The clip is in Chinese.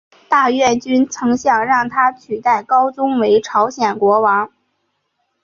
大院君曾想让他取代高宗为朝鲜国王。